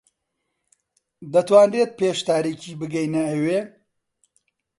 دەتوانرێت پێش تاریکی بگەینە ئەوێ؟